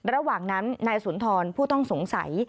ระหว่างนั้นนายสุนทรผู้ต้องสงสัย